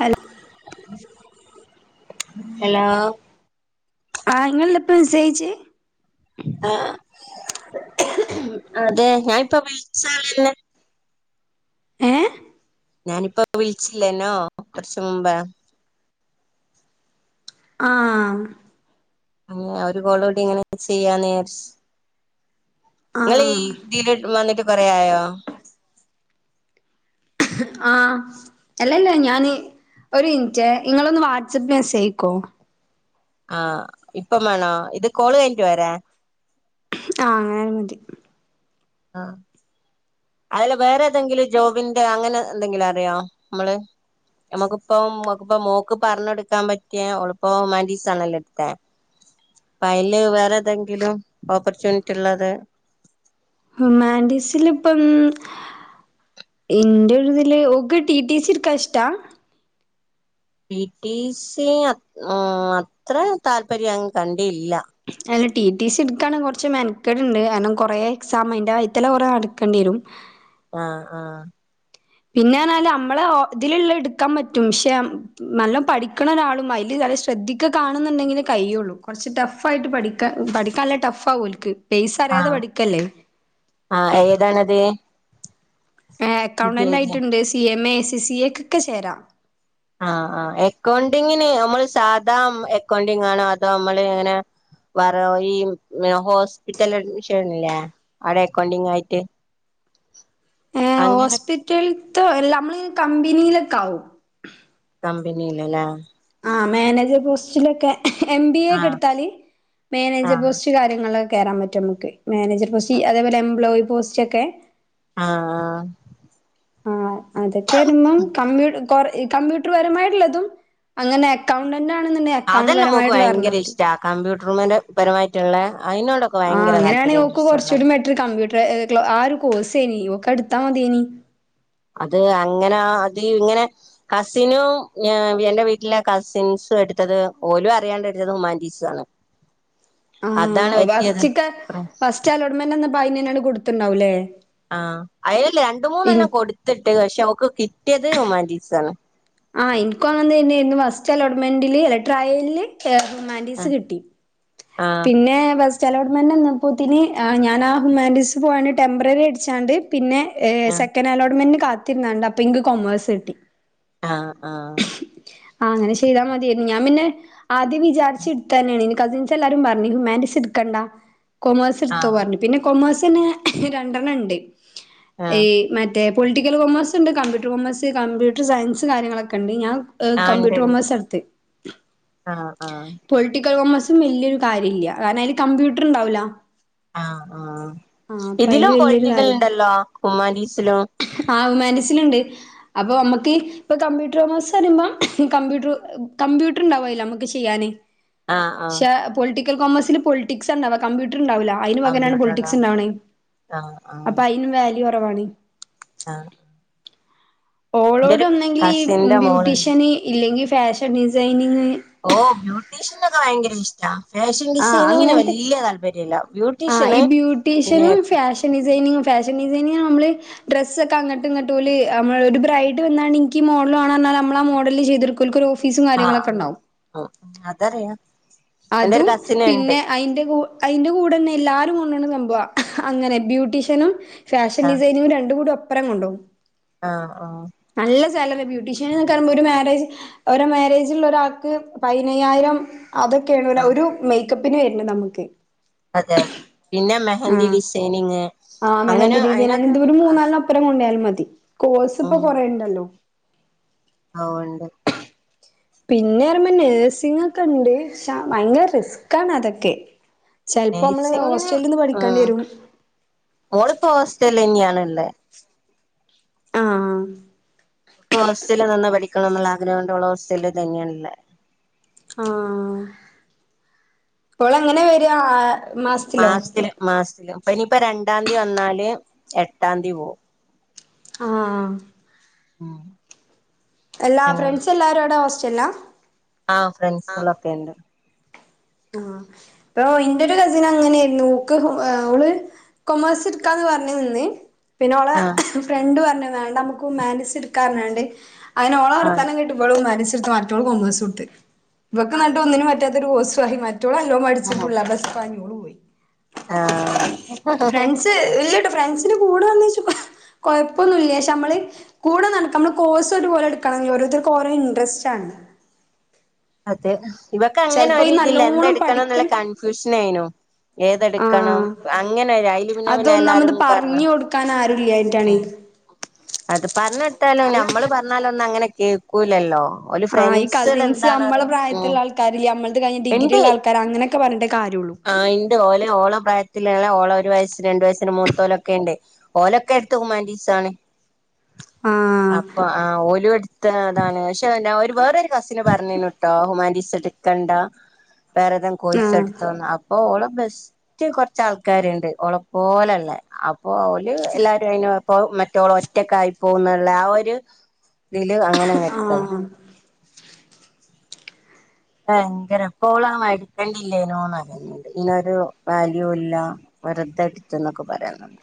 Hello hello ആഹ നിങ്ങല്ല ഇപ്പോ മെസ്സേജ് അയച്ച ആ അതെ ഞാൻിപ്പ വിളിച്ചാലന്നെ ഏ ഞാനിപ്പോ വിളിച്ചില്ലേനോ കുറച്ച മുമ്പ ആഹ അങ്ങ ഒരു കോളടി ഇങ്ങനെ ചെയ്യാ ആഹ് നിങ്ങ ഈ ആഹ് ഇതില് വന്നിട്ട് കൊറേ ആ യോ ആഹ അല്ലല്ലേ ഞാന് ഒരു മിനിറ്റ് നിങ്ങളൊന്ന് വാട്സആപ്പ് മെസ്സേജ്യിക്കോ ആഹ് ഇപ്പം വേണോ ഇത് കോള് കഴിഞ്ഞട്ടു വരാ ആഹ അങ്ങനാല മതി ആഹ അതില വേറെ ഏതെങ്കിലും ജോബിന്റെ അങ്ങനെ എന്തെങ്കിലും അറിയോ നമ്മള് നമ്മുക്കിപ്പക്കിപ്പ മോക്ക് പറഞ്ഞ എടുക്കാൻ പറ്റിയാ അവളിപ്പമാൻറ്റീസാണല്ലോ എടുത്ത അ അല് വേറെതെങ്കിലും ഓപ്പർച്യൂണിറ്റി ള്ളത് ഹ്യുമാനിറ്റീസിൽ ഇപോം എന്റെ ഇതില് ഒക്ക ടി ടീ സി എടുക്കാൻ ഇഷ്ടാ ടി ടി സി അത്ര താല്പര്യം കണ്ടല്ല അല്ല ടി ടി സി എടുക്കാണെങ്കിൽ കുറച്ച് മെനക്കേഡണ്ട് കാരണം കുറെേ എക്സാം അതിൻ്റെ വൈത്തല്ല കുറെേ നടക്കണ്ടി വരും ആഹ് ആഹ പിന്നെ എന്നല് നമ്മളെ ഇതിലുള്ള എടുക്കാൻ പറ്റും പക്ഷെ നല്ല പഠിക്കണ ഒരാളു അതില് അവരെ ശ്രദ്ധിക്ക കാണുന്നുുണ്ടെങ്കിൽ കയിയുള്ളൂ കുറച്ച് ടഫ് ആയിട്ട് പഠിക്കാ പഠിക്കാൻല്ലേ ടഫ് ആാവുംോ ഓല്ക്ക് പേസ അറിയാതെ ആഹ് പഠിക്കല്ലേ ആഹ് ഏതാണത് പി കെ അക്കൗണ്ടന്റ് ജി ആയിട്ടുണ്ട് C M A A C എക്ക ഒക്കെ ചേരാം ആഹ ആ് എക്കൗണ്ടിങ്ങിന് നമ്മള് സാധാ എക്കൗണ്ടി ആണോ അതോ നമ്മള് എങ്ങനെ വേറെ ഈ ഹോസ്പിറ്റല അഡ്മിഷൻ ആണില്ലേ അവിടെ അക്കോണ്ടിങ്ങ ആയിട്ട് [inaudible] ഏ അങ്ങനെ ഹോസ്പിറ്റലത്ത നമ്മളി കമ്പനിയിലൊക്കെ ആാവും കമ്പനില്ലല്ലേ ആ മാനേജർ പോസ്റ്റിലൊക്കെ എം ബി എ ഒക്കെ ആഹ് എടുത്താല് മാനേജർ ആഹ് പോസ്റ്റ് കാര്യങ്ങൾ കേറൻ പറ്റും നമുക്ക് മാനേജർ പോസ്റ്റ് അതേപോല എംപ്ലയി പോസ്റ്റ് ഒക്കെ ആഹ ആഹ അതൊക്കെ നിമ്മ കമ്മ്യൂ കമ്പ്യൂട്ടർ പരമായിട്ട അനെ അതല്ലേ നമുക്ക് ഭയങ്കര ഇഷ്ട കമ്പ്യൂട്ടർമാന്റെ പരമായിട്ടുള്ള അതിനോടൊക്കെ ആഹ് ഭയങ്കര താല്പര്യം അങ്ങനെയാണ്ക്ക് ഇൻട്രസ്റ്റ് ഉള്ളത് കൊറച്ചൂടി ബെറ്റർ കമ്പ്യൂട്ടർ ആ ഒരു കോഴ്സെനി ട്ട മതിയെനി അത് അങ്ങനെ അത് ഇങ്ങനെ കസിനും എൻറെ വീട്ടിലെ കസിൻസ് എടുത്തത് ഓലും അറിയാണ്ട എടുത്തത് ഹുമാൻടീസ ആണ് അതാണ് ആഹ പറ്റിയത് വസ്ിക്ക വസ്റ്റ് അലോട്ടമെന്റ് വന്നപ്പോ അയ്നാണ് തന്നട കൊടുത്തുണ്ടാവുംല്ലേ ആഹ അതിൽ രണ്ട മൂന്നെല്ലാം കൊടുത്തിട്ട് പക്ഷെ അവക്ക് കിട്ടിയത് ഹമാൻറീസ ആണ് ആഹ എനിക്കും അങ്ങ ഇന്ന് ബസ്റ്റല ഉടമണ്ട ഇല്ലട്രായലല് ആ ഹുമാൻഡീസ് കിട്ടി ആ പിന്നെ ചലോട്ട്മെൻറ് നി എന്നപ്പോത്തിന് ഞാൻ ആ ഹുമാൻഡീസ് പോകാണ് ടെംമ്പററി അടിച്ചാണ്ട് പിന്നെ ഏ ആ സെക്കൻഡ് അലോട്ട്മെന്റ് കാത്തിരുന്നണ്ട് അപ്പൊ ഇങ്ക കൊമേഴ്സ് കിട്ടി ആഹ് ആഹ ആഹ അങ്ങനെ ചെയ്താ മതിയ ഞാൻ പിന്നെ ആം വിചാരിച്ച എടുത്തു തന്നെയാണ് ഇ കസിൻസല്ലാരും പറഞ് ഹ്യൂമന്റി ട്ക്കണ്ട കൊമേഴ്സ് ആ എടുത്തോ പറഞ്ഞു പിന്നെ കൊമേഴ്സിന്നെ രണ്ടെണ്ണം ഉണ്ട് ആ ഇ മ മറ്റ പൊളിട്ടിക്കൽ കോമേഴസ് ഉണ്ട് കമ്പ്യൂട്ടർ കൊമേഴ്സ് കമ്പ്യൂട്ടർ സയൻസ് കാര്യങ്ങളൊക്കെണ്ട് ഞാൻ ആ കമ്പ്യൂട്ടർ ഉണ്ട്ണ്ട് കോമേഴ്‌സ് ആണിടത്തെ ആ ആ വലിയൊരു കാര്യമല്ല കാരണം അതില് കമ്പ്യൂട്ടർ ഉണ്ടാവല ആ ആ ഇതിലും വലിയൊരു പോൊളിറ്റിക്കൽ കാര്യ ഉണ്ടല്ലോ ഹുമാൻഡീസിലും മനസ്സിലുണ്ട് അപ്പൊ നമ്മുക്ക് ഇപ്പൊ കമ്പ്യൂട്ടർോ മാസം വയുമമ്പ കമ്പ്യൂട്ടർ കമ്പ്യൂട്ടർണ്ടാാവല്ല നമുക്ക് ചെയ്യാന് ആ ആ പ പോളിറ്റിക്കൽ കോമ പോളിറ്റിക്സ് ണ്ടാവില്ല അതിനന് പകരാണ് കമ്പ്യൂട്ടർ ആ പോളിറ്റിക്സ് ഉണ്ടാവ അപ്പൊ അയി വാല്യു കുറവാണ് ആഹ ഓളോട്ന്നെങ്കിൽ ഈ കസിന്റെ മോളുണ്ട് ബ്യൂട്ടീഷ്യന് ഇല്ലെങ്കി ഫാഷൻ ഡിസൈനിങ് ഓ ബ്യൂട്ടീഷ്യൻ ഒക്കെ ഭയങ്കര ഇഷ്ടാ ഫാഷൻ ആ ഡിസൈനിങ്ങിന് അങ്ങനത്തെ വല്യ താല്പര്യല്ല ആ ഈ ബ്യൂട്ടീഷ്യന് പിന്നെ ബ്യൂട്ടീഷ്യനും ഫാഷൻ ഡിസൈനി ഫാഷ അ നമ്മള് ഒക്കെ അങ്ങട്ട ഇങ്ങട്ട പോല് നമ്മ ഒരു ബ്രൈഡ് വന്നണ്ട് എനിക്ക് മോഡൽണ മോഡല് ചെയ്തി ആഹ അതെ അതറിയ അതും പിന്നെ അതിന്റെ ക അതിറെ കൂടെന്നെ എല്ലാരും സംഭ അങ്ങനെ ബ്യൂട്ടീഷ്യനും ആ ഫാഷൻ ഡിസൈനിങ്ങും രണ്ട കൂടി ഒപ്പരം കൊണ്ടോകും ആഹ ആഹ ച ബ്യൂട്ടീഷ്യൻ പറയുമ്പോ ഒരു മാരേജ് ഓരോ മാരേജില ഒരാൾക്ക് പതിനയ്യായിരം അതൊക്കെയാണ് ആ ഒരു മേക്കപ്പിന് വരരുന്നു നമുക്ക് അതെ അതെ പിന്നെ മെഹന്തി ആഹ് ഡിസൈനിങ് ആഹ് അങ്ങനെ മെഹന്തി ഡിസൈൻ അ ഇ അയിനൊക്കെ ഒരു മൂന്നാലിന് അപ്പുരം കൊണ്ടായാലും മതി കോഴ്സ് ഇപ്പൊ ഉം കൊറേുണ്ടല്ലോ പോണ്ട് പിന്നെ മ്പോ നഴ്സിങ് ഒക്കെ ഉണ്ട് പ ഭയങ്കര റിസ്ക് ആണ് അതൊക്കെ ചെലപ്പോ നമ്മള് നഴ്സിംഗിന് ഹോസ്റ്റലിന്ന് ഉ പഠിക്കേണ്ടി വരും മോളിപ്പോ ഹോസ്റ്റൽ തന്നെയാണല്ലോ അ ആഹ ഹോസ്റ്റലിൽ നന്ന പഠിക്കണം എന്നുള്ള ആഗ്രഹം കൊണ്ടള്ള ഹോസ്റ്റല തന്നെയല്ലേ ആ ഇപ്പോൾ എങ്ങനെ വരിക മാസത്തില മാസത്തിലും ഇപ്പ ഇനിയിപ്പ രണ്ടാം തീയതി വന്നാല് എട്ടാം തീയതി പോകവും ആഹ ആ എല്ലാ ഫ്രണ്ട്സ് എല്ലാരോട ഹോസ്റ്റലാ ആഹ ഫ്രണ്ട്സ് എള്ളാം ഒപ്പെയ ഉണ്ട് ആഹ ഇപ്പൊ എന്റെ ഒരു കസിന് അങ്ങനൊയിരുന്നു ക്ക് അവള് കൊമേഴ്സ് എടുക്കാന്ന് പറഞ്ഞ നിന്ന് പിന്നെ അവളെ ആഹ് ഫ്രണ്ട് പറഞ്ഞ വേണ്ട നമുക്ക് മാനിച്ച എടുക്കാൻ വേണ്ടേ അതിനോള ആഹ് വർത്തനം കേട്ട ഇ മന മറ്റ കൊേഴട്ട് ഇവക്ക് നട്ട ഒന്നിനും പറ്റാത്തൊ മറ്റളോ നല്ലോ പഠിച്ഫുള്ള് എ പ്ലസ് വാങ്ങി ഓൾ പോയി ആഹ ഫ്രണ്ട്സിന് കൂടെ വന്നേച്ചുക്ക കുഴപ്പമൊന്നും ഇില്ലെ ഷെ മ്മള് കൂടെ നടക്ക നമ്മള് കോഴ്സ് ഒരുപോലെ എടുക്കണ ഓരോരുത്തർക്ക് ഓരോ ഇൻട്രസ്റ്റ് ആണ് അതെ ഇവൊക്കെ അങ്ങനെ ചെലപ്പോ ഈ ഒരുതിയില്ല എന്ത നല്ലോണം എടുക്കണം എന്നുള്ള പഠിക്കണ കൺഫ്യൂഷന യിനു ഏതെടുക്കണം ആഹ് അങ്ങനെ അയിൽ പിന്നെ പിന്നെ അതൊന്നാമത് എല്ലാരും പറഞ് പറഞ്ഞു കൊടുക്കാൻ ആരുല്ലായിട്ടാണ് ഉം അത് പറഞ്ഞെടുത്താലും നമ്മള് പറഞ്ഞാല ഒന്നും അങ്ങനെ കേൾക്കൂലല്ലോ ഓല് ആഹ ഈ ഫ്രണ്ട്സിൽ കസിൻസ് എന്താണ് നമ്മെ പറയാ ഉം പ്രായത്തിലുള്ള ആൾക്കാാര്ല്ല നമ്മ കിഞ്ഞ ഇണ്ട് ഡിഗ്രിയുള്ള ആൾക്കാാര് അങ്ങനെയൊക്കെ പറഞ്ഞിട്ടേ കാര്യള്ളൂ ആഹ് ഇണ്ട് ഓലെ ഓള പ്ര ഓള ഒരു വയ സ് രണ്ട വയസ്ന് മൂത്തോല ഒക്കെ ഉണ്ട് ഓലൊക്കെ എടുത്ത ഹുമാൻടീസണ് ആഹ് അപ്പൊ ആ ഒരുല എടുത്ത അതാണ് പക്ഷെ വേറൊരു കസിന് പറഞ്ഞന്നുട്ടോ ഹുമാൻറ്റീസ് എടുക്കണ്ട വേറെ താ കോയ്സ് ആഹ് എടുത്തോന്ന് അപ്പോൊ ഓൾ ബെസ്റ്റ് കുറച്ച് ആൾക്കാരുണ്ട് ഒള പോലെള്ള അപ്പൊ അവല് എല്ലാരും അയനായപ്പം മറ്റോളൊറ്റക്കായി പോവ്ന്ന്ള്ള ആ ഒരു ഇതില് അങ്ങനെങ്ങെടുത്തതാ. ആഹ് ഭയങ്കര പ്പോളാ എടു ക്കണ്ടില്ലേനൂന്നറിയണ്ട് ഇനൊരു വാല്യൂല്ല വെറുതെട്ത്ത് ന്നൊക്കെ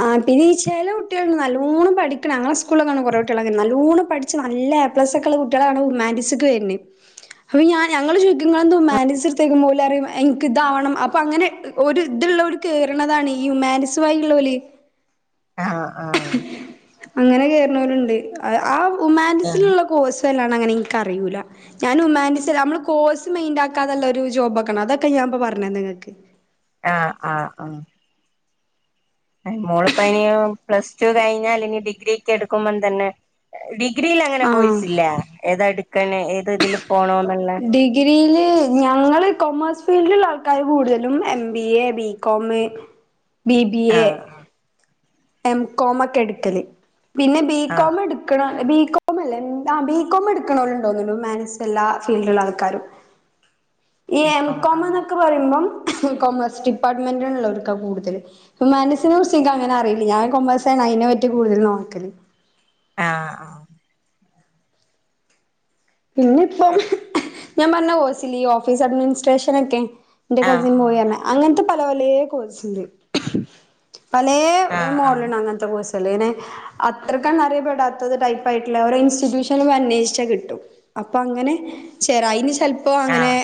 ആ പിന്നെ ഈ ചെല കുട്ട്യേള്ണ്ട് നല്ലോണം പഠിക്കണ അങ്ങളസ്കൂളിലൊക്കെണ്ട് കൊറെേ കുട്ട്യേള് നല്ലൂണ് പഠിച്ചു നല്ല എ പ്ലസ് ഒക്കെള്ള കുട്ട്യേളാണ് ഹ്യുമാന്റിസിക് വെര്ണേ അപ്പൊ ഞാൻ ഞങ്ങള് ചോയിക്കൂ ഇങ്ങളെന്താ ഹ്യൂമാനിറ്റീസെട്ത്തേക്കുമ്പോലറിയും എൻക്ക്താണ് അപ്പൊ അങ്ങനെ ഒരു ഇത് ള്ളവർ കേറ്ണതാണ് ഈ ഹ്യൂമാൻറ്റീസ് വഴിള്ളോല് ആഹ് ആഹ് അങ്ങനെ കേറ്ണോര്ണ്ട് ആ ഉമാന്റീസില്ള്ള കോഴ് നെ ഇൻക്കറിയൂല ഞാനുമാൻൻ്റീസല്ല അമ്മള് കോഴ്സ് മെെൻഡാക്കാതല്ലേ ഒര് ജോബോക്ക്ണെ അതെക്കെ ഞാ പ്പോ പറഞ്ഞേന്ന്ങ്ങക്ക്. ആ ആ ആ. മോള്പ്പനീ പ്ലസ് ടു കഴിഞ്ഞാലിനി ഡിഗ്രിക്ക് എടുക്കുമ്പൊതന്നെ ഡി ഡിഗ്രീൽ അങ്ങനെ ആഹ് കോഴ്സില്ലെ ഏതാ എട്ക്കണെ ഏത് ഇതില് ഡിഗ്രീല്. ഞങ്ങള് കൊമേഴ്സ് ഫീൽഡിള്ള ആൾക്കാര് കൂടുതലും M B A, B com B B A, ആഹ് എം കോമൊക്കെടുക്ക്ല്. പിന്നെ ബീ കോം ആഹ് എടുക്ക്ണ ബികോം അല്ലേ എ ആ ബികോം എടുക്കണോല്ണ്ട്ന്നോന്നണൂ ഹ്യൂമാൻ്റീസിലെല്ലാ ഫീൽഡ്ള്ളാൾക്കാരും. ഈ എം ബികോം കോംമ് ആഹ് ന്നൊക്കെ പറയ്മ്പം കൊമേഴ്സ് ഡിപ്പാർട്ട്മെന്റിള്ളവർക്കാ കൂടുതല് ഹ്യമാൻ്റീസിനെ കുറ്ച്ച്ൻക്കങ്ങനെ അറീല്ല ഞൻ കൊമേഴ്സാ അയിനെ പറ്റി കൂടുതല് നോക്കല്. ആ ആ. പിന്നെപ്പം ഞാമ്പറഞ്ഞ കോയ്സില്ലീ ഓഫീസ് അഡ്മിനിസ്ട്രേഷനെക്കെ ന്റെ ആഹ് കസിൻ പോയിറഞ്ഞ അങ്ങൻത്തെ പല പലേ കോഴ്സ്ണ്ട്. പലേ ആഹ് ആഹ് മോഡലണ് അങ്ങൻത്തെ കോഴ്സ് നെ അത്രക്കന്നെ അറിയപ്പെടാത്തത് ടൈപ്പായ്ട്ട്ള്ള ഓരേ ഇൻസ്റ്റിറ്റ്യൂഷൻലൊന്നന്വേഷിച്ചാ കിട്ടും. അപ്പൊ അങ്ങനെ ചെരായിന് ചെലപ്പോ ആഹ് അങ്ങനെ ആഹ്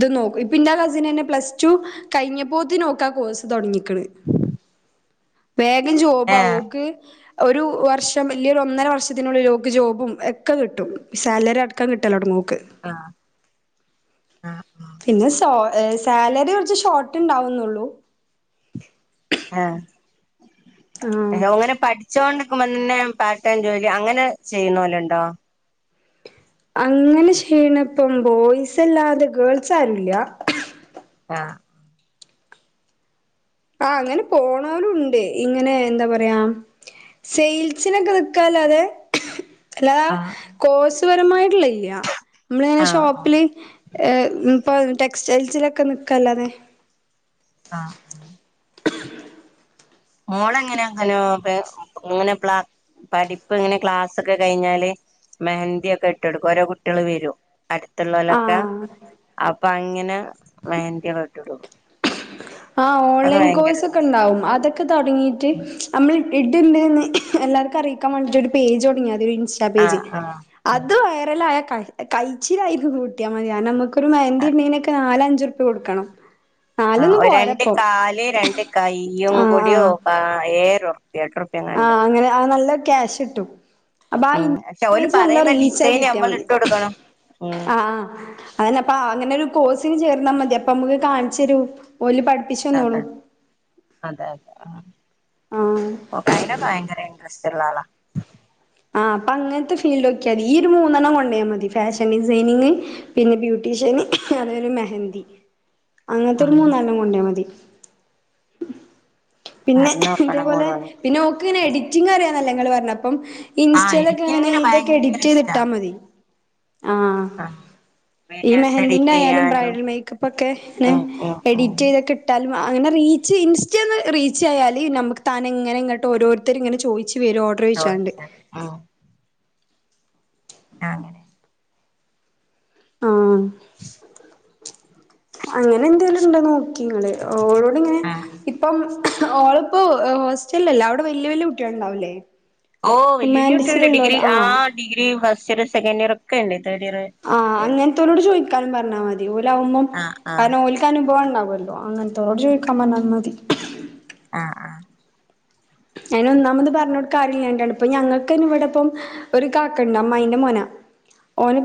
ത് നോക്കും ഇപ്പ ന്റെ കസിനെന്നെ പ്ലസ് ടു കഴിഞ്ഞപ്പോത്തിനോക്കാ കോഴ്സ് തൊടങ്ങീക്ക്ണ്. വേഗം ജോബാവൂ ഏഹ് ഓക്ക് ഒരു വർഷം അല്ലേരു ഒന്നര വർഷത്തിനുള്ളില് ഓക്ക് ജോബും എക്കെ കിട്ടും, സാലറിയടക്കം കിട്ടലോടങ്ങും. ആ ആ. പിന്നെ സോ ർ സാലറി കൊറച്ച് ഷോർട്ട്ണ്ടാവുന്ന്ള്ളു. ഏ അ ആഹ് അങ്ങനെ പഠിച്ചോണ്ട് ക്കുമ്പോന്നെ പാർട്ട് ടൈം ജോലി അങ്ങനെ ചെയ്യുന്നോലെണ്ടോ? അങ്ങനെ ചെയ്യണേപ്പം ബോയ്സ് അല്ലാതെ ഗേൾസ് ആരുല്ല്യ. ആ. ആ അങ്ങനെ പോണോലുണ്ട്, ഇങ്ങനെ എന്താ പറയാ സെയിൽസിനൊക്കെ നിക്കാലോ, അതെ. ല്ലാ ആഹ് കോഴ്സ്പരമായിട്ട്ള്ല്ല്യ മ്മള്ങ്ങനെ ആഹ് ആഹ് ഷോപ്പില് ഏഹ് ഇപ്പൊ ടെക്സ്റ്റൈൽസിലോക്കെ നിക്കല്ലാതെ. ആ. മോളെങ്ങനാ ഹലോ [unintelligible] [unintelligible] പഠിപ്പ് ഇങ്ങനെ ക്ലാസൊക്കെ കഴിഞ്ഞാല് മെഹന്തി ഒക്കെ ഇട്ടൊട്ക്കും ഓരോ കുട്ട്യോള് വെരും. അടുത്തുള്ളവലൊക്ക ആഹ് അപ്പ അങ്ങന മെഹന്തിയൊക്കെ [unintelligible] ആ ഓൺലൈൻ കോഴ്സെക്കെണ്ടാവും അതൊക്കെ തൊടങ്ങീട്ട് അമ്മള് ഇഡ്ണ്ട്ന്ന് എല്ലാർക്കും അറിയിക്കാൻ വാണ്ടിട്ട് ഒരു പേജ് തൊടങ്ങ്യാതി [unintelligible] പേജ് ആഹ് ആഹ് അത് വൈറലായ ക കഴിച്ചിലായിക്ക്ന്ന് കൂട്ട്യാ മതി കാരണമ്മ ക്ക്‌ മെഹന്തിട്നൊക്കെ നാലഞ്ചുർപ്യ കൊട്ക്കണം നാലൊന്നു ആഹ് രണ്ട് കാല് രണ്ട് കയ്യും കുടി [unintelligible] ആ അങ്ങനെ ആ നല്ല ക്യാഷ് ഇട്ടും. അപ്പൊ ആ ഉം പക്ഷെ ഓല് ഇമേജ് നല്ല പറയുന്ന റീച്ച് ആയി ഡിസൈന് കിട്ടിയാൽ നമ്മള് മതി. ഇട്ട് കൊടുക്കണം ഉം ആ അങ്ങനപ്പാ അങ്ങനെ ഒരു കോഴ്സിങ്ങ് ചേർ ന്നാ മതി അപ്പൊ നമുക്ക് കാണിച്ചരു, ഓല് അതെ പഠിപ്പിച്ചന്നോളും അതെ അതെ. ആ ഓക്ക് അയിനൊക്കെ ഭയങ്കര ഇൻട്രസ്റ്റ് ഉള്ള ആളാ. ആ അപ്പ അങ്ങനത്തെ ഫീൽഡ് ഒക്കെയാന്. ഈ ഒരു മൂന്നെണ്ണം ഓൺലൈൻ മതി. ഫാഷൻ ഡിസൈനിങ്, പിന്നെ ബ്യൂട്ടി ഷ്യന് [unintelligible] മെഹന്തി. [inaudible] അങ്ങനത്തൊരു മൂന്നാലണ്ണം കൊണ്ടയാ മതി. പിന്നെ പറഞ്ഞോക്കണം ഇതേപോലെ മോള് പിന്നെ ഓക്ക് ഇങ്ങനെ എഡിറ്റിംങ്ങ് അറിയന്നല്ലേ ഇങ്ങള് പറഞ്ഞ അപ്പം. ആഹ് ഇൻസ്റ്റയിലൊക്കെ ങ്ങനെ എഡിറ്റിങ്ങിന് ഇതൊക്കെ ഭയങ്കര എഡിറ്റ് ചെയ്ത് ഇഷ്ടാ ഇട്ടാ മതി. ആ ആഹ് ഈ വീഡിയോസ് എഡിറ്റ് മെഹന്തിന്റെ ആയാലും, ചെയ്യാനും ബ്രൈഡൽ മേക്കപ്പ് ഒക്കെ നെ ഉം ഉം ഉം എഡിറ്റ് ചെയ്തക്കെ ഇട്ടാലും, അങ്ങനെ റീച്ച് ഇൻസ്റ്റേല് റീചായാല്, നമുക്ക് താനെ ഇങ്ങനെ ഇങ്ങോട്ട് ഓരോരുത്തരും ഇങ്ങനെ ചോയിച്ചു വരും ഓർഡറ് ചോയിച്ചാണ്ട്. ചോദിച്ചത് ആ ങ്ങനെ. ആ അങ്ങനെ എന്തെിലും ഉണ്ടോന്ന് നോക്കി ഇങ്ങള്. ഓളോട് ഇങ്ങനെ ആഹ് ഇപ്പം ഓൾപ്പോ ഹോസ്റ്റലിലല്ലേ. അവിടെ വല്യ വല്യ കുട്ടികളുണ്ടാവില്ലേ? ഓ വല്ല്യയ വല്ല്യയ കുട്ടികൾ ഉണ്ട്, ഡിഗ്രി ആ degree first year second year ഒക്കെ ഉണ്ട്. തേടിയറ് [unintelligible] ക്കാ പറഞ്ഞാൽ മതി. ഓലാവൊന്നും ആഹ് കാരണം ഓൽക്ക് അനുഭവം ഉണ്ടാവുമല്ലോ, അങ്ങനെ [unintelligible] ചോദിക്കാൻ ഓഹ് പറഞ്ഞാലും മതി. ആഹ് ആഹ് അയിന് ഒന്നാമത് പറഞ്ഞൊടുക്കാൻ ആരും ഇല്ലാണ്ടാണ്. ഇപ്പൊ ഞങ്ങൾക്കയിന് ഇവിടെപ്പം ഒരു കാക്കണ്ട്, അമ്മായിന്റെ മോന ഓനിപ്പ